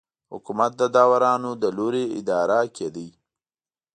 حکومت د داورانو له لوري اداره کېده.